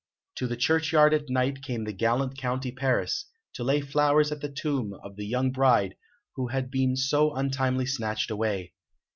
To the churchyard at night came the gallant County Paris, to lay flowers at the tomb of the young bride who had been so untimely snatched away.